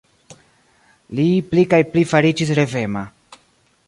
Li pli kaj pli fariĝis revema.